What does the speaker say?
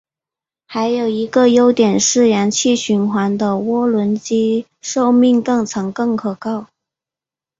还有一个优点是燃气循环的涡轮机寿命更长更可靠。